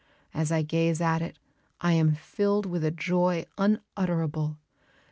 As I gaze at it I am filled with a joy unutterable.